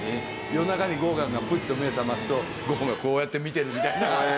夜中にゴーギャンがフッと目を覚ますとゴッホがこうやって見てるみたいな。